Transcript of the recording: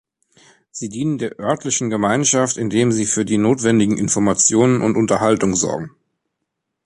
Sie dienen der örtlichen Gemeinschaft, indem sie für die notwendigen Informationen und Unterhaltung sorgen.